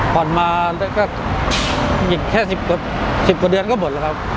ผ่อนมาก็อีกแค่๑๐กว่าเดือนก็หมดแล้วครับ